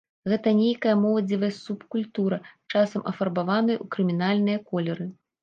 Гэта нейкая моладзевая субкультура, часам афарбаваная ў крымінальныя колеры.